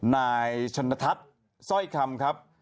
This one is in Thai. นายชนทัศน์สร้อยคำครับ